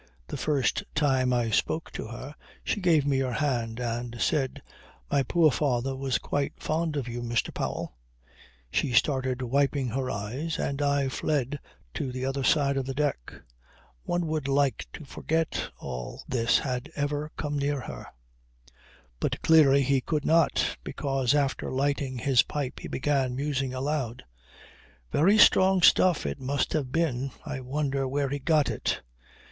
The first time I spoke to her she gave me her hand and said, "My poor father was quite fond of you, Mr. Powell." She started wiping her eyes and I fled to the other side of the deck. One would like to forget all this had ever come near her." But clearly he could not, because after lighting his pipe he began musing aloud: "Very strong stuff it must have been. I wonder where he got it.